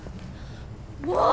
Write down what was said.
もう！